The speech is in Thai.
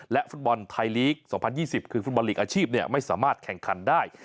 ฟุตบอลไทยลีก๒๐๒๐คือฟุตบอลลีกอาชีพไม่สามารถแข่งขันได้